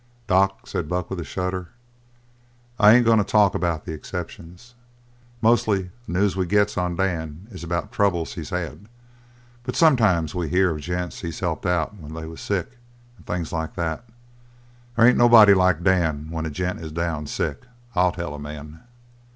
"Doc," said Buck with a shudder, "I ain't goin' to talk about the exceptions. Mostly the news we gets of Dan is about troubles he's had. But sometimes we hear of gents he's helped out when they was sick, and things like that. They ain't nobody like Dan when a gent is down sick, I'll tell a man!"